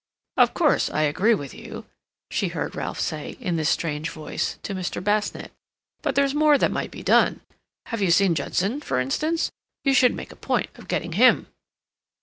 "Of course, I agree with you," she heard Ralph say, in this strange voice, to Mr. Basnett. "But there's more that might be done. Have you seen Judson, for instance? You should make a point of getting him."